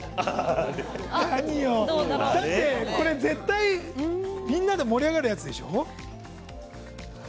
だって、絶対みんなで盛り上がるやつでしょ。